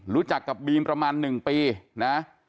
รู้จักกับบีมประมาณ๑ปีนะ